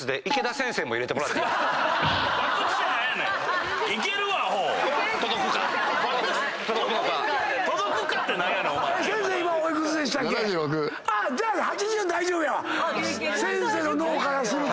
先生の脳からすると８３８４。